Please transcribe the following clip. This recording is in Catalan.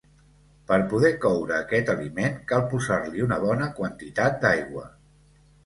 Per poder coure aquest aliment cal posar-li una bona quantitat d'aigua.